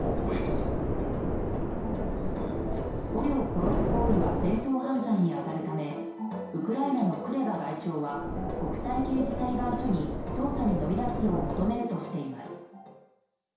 捕虜を殺す行為は戦争犯罪に当たるためウクライナのクレバ外相は国際刑事裁判所に捜査に乗り出すよう求めるとしています。